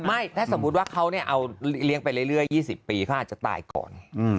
ไม่ถ้าสมมุติว่าเขาเอาเลี้ยงไปเรื่อย๒๐ปีเขาอาจจะตายก่อน